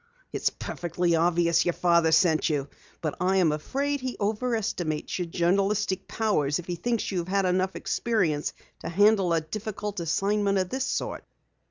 "It's perfectly obvious that your father sent you, But I am afraid he over estimates your journalistic powers if he thinks you have had enough experience to handle a difficult assignment of this sort.